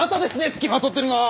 付きまとってるのは！